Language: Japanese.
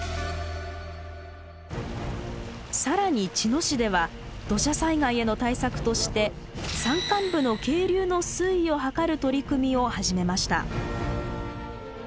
更に茅野市では土砂災害への対策として山間部の渓流の水位を測る取り組みを始めました。